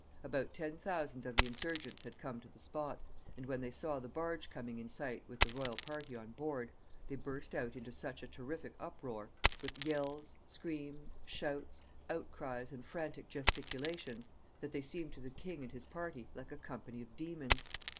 About ten thousand of the insurgents had come to the spot, and when they saw the barge coming in sight with the royal party on board, they burst out into such a terrific uproar, with yells, screams, shouts, outcries, and frantic gesticulations, that they seemed to the king and his party like a company of demons.